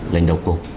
lệnh đầu cục